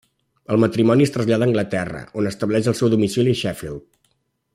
El matrimoni es trasllada a Anglaterra, on estableix el seu domicili a Sheffield.